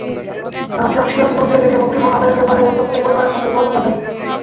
রাজ্জাক সিরাজগঞ্জে থেকে মুক্তিপণ আদায়ের ব্যাপারে এমদাদুলের পরিবারের সঙ্গে যোগাযোগ রাখেন।